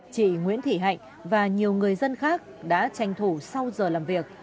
chị nguyễn thị hạnh và nhiều người dân khác đã tranh thủ sau giờ làm việc